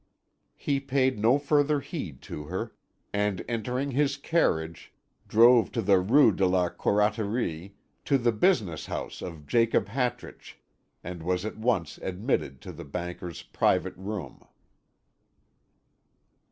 He paid no further heed to her, and entering his carriage drove to the Rue de la Corraterie, to the business house of Jacob Hartrich, and was at once admitted to the banker's private room.